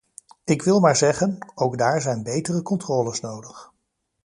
Ik wil maar zeggen: ook daar zijn betere controles nodig.